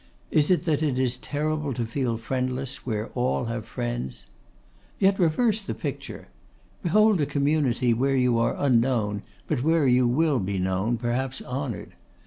Is it that it is terrible to feel friendless where all have friends? Yet reverse the picture. Behold a community where you are unknown, but where you will be known, perhaps honoured.